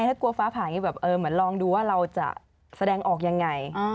ถ้ากลัวฟ้าผ่าอย่างนี้แบบเหมือนลองดูว่าเราจะแสดงออกยังไง